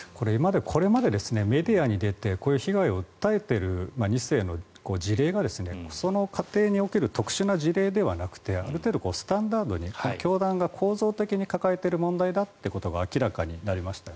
これまでメディアに出てこういう被害を訴えている２世の事例がその家庭における特殊な事例じゃなくてある程度スタンダードに教団が構造的に抱えている問題だということが明らかになりました。